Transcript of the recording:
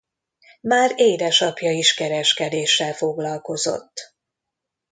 Már édesapja is kereskedéssel foglalkozott.